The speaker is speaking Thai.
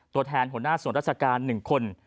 ตัวแทนหัวหน้าส่วนราชการ๑คน